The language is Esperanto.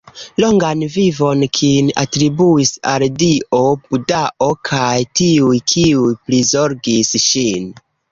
Longan vivon Kin atribuis al Dio, Budao, kaj tiuj, kiuj prizorgis ŝin.